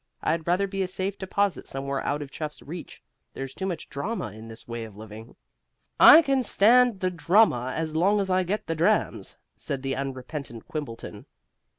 I'd rather be a safe deposit somewhere out of Chuff's reach. There's too much drama in this way of living." "I can stand the drama as long as I get the drams," said the unrepentant Quimbleton.